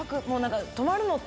泊まるのって。